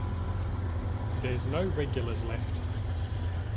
There's no regulars left.